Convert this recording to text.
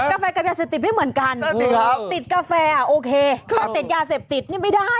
แฟกับยาเสพติดไม่เหมือนกันติดกาแฟโอเคติดยาเสพติดนี่ไม่ได้